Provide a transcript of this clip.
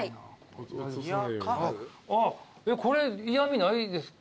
あっこれ嫌みないですか？